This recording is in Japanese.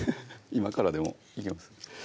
今からでもいけます